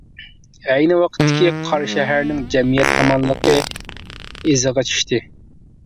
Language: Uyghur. ئەينى ۋاقىتتىكى قاراشەھەرنىڭ جەمئىيەت ئامانلىقى ئىزىغا چۈشتى.